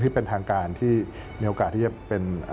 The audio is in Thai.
ที่เป็นทางการที่มีโอกาสที่จะเป็น